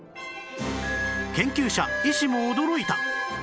研究者・医師も驚いた！